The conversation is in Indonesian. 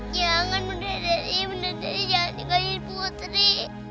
jangan bunda dari bunda dari jangan tinggalin putri